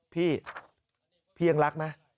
พี่พี่ยังรักมั้ย